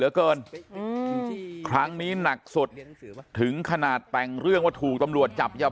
มากี็ินท์ครั้งนี้หนักสุดถึงขนาดแปลงเรื่องที่ตัวถูกตำรวจจ้ะบ้า